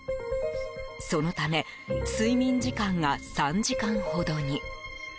そのため睡眠時間が３時間ほどに。